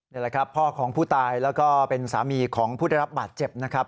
นี่แหละครับพ่อของผู้ตายแล้วก็เป็นสามีของผู้ได้รับบาดเจ็บนะครับ